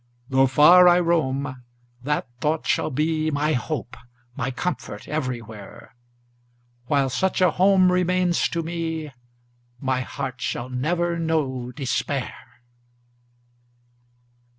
Though far I roam, that thought shall be My hope, my comfort, everywhere; While such a home remains to me, My heart shall never know despair!